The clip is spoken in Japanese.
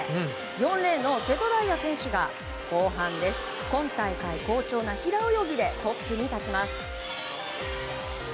４レーンの瀬戸大也選手が後半、今大会好調な平泳ぎでトップに立ちます。